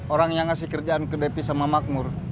orang yang ngasih kerjaan ke depi sama makmur